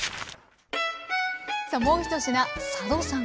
さあもう１品佐渡さん